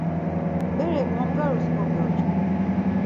Berek omgarus kogyoç̌ǩu.